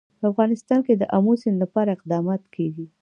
په افغانستان کې د آمو سیند لپاره اقدامات کېږي.